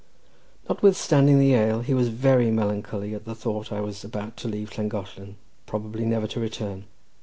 Notwithstanding the ale, he was very melancholy at the thought that I was about to leave Llangollen, probably never to return.